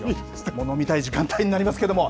もう飲みたい時間帯になりますけれども。